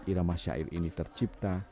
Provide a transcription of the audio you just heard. irama syair ini tercipta